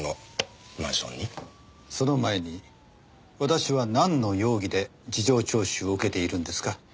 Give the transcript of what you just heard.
その前に私はなんの容疑で事情聴取を受けているんですか？